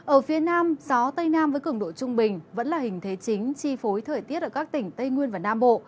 ở phía nam gió tây nam với cường độ trung bình vẫn là hình thế chính chi phối thời tiết ở các tỉnh tây nguyên và nam bộ